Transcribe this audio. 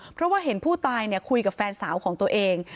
เพราะว่าเห็นผู้ตายคุยกับแฟนสาวของตัวเอง